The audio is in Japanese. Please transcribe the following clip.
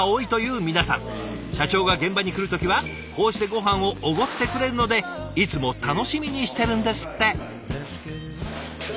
社長が現場に来る時はこうしてごはんをおごってくれるのでいつも楽しみにしてるんですって。